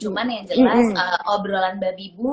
cuman yang jelas obrolan babi bu